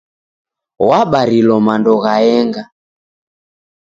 Wabarilo mando ghaenga.